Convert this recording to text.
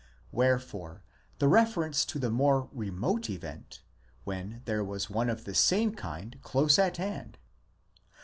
Wherefore the reference to the more remote event, when there was one of the same kind close at hand?